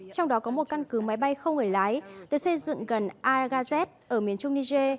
trong đó có một căn cứ máy bay không người lái được xây dựng gần aragazat ở miền trung niger